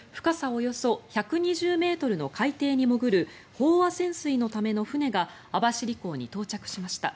およそ１２０ｍの海底に潜る飽和潜水のための船が網走港に到着しました。